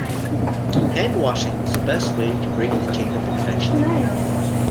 Hand washing is the best way to break the chain of infection.